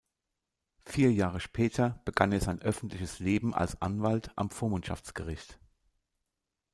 Vier Jahre später begann er sein öffentliches Leben als Anwalt am Vormundschaftsgericht.